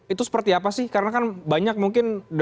itu seperti apa sih karena kan banyak mungkin